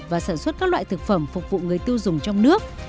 và sản xuất các loại thực phẩm phục vụ người tiêu dùng trong nước